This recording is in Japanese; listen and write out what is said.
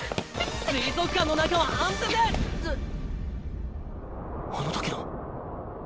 水族館の中は安全でえっ。